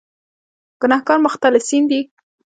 ګناهکار مختلسین دي.